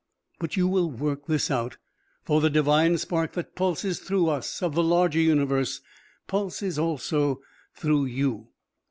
But you will work this out, for the Divine Spark that pulses through us of the Larger Universe, pulses also through you.